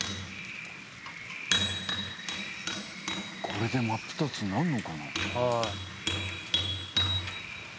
これで真っ二つになんのかな？